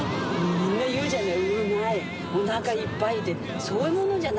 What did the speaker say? みんな言うじゃない。